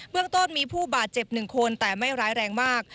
เรื่องต้นมีผู้บาดเจ็บ๑คนแต่ไม่ร้ายแรงมาก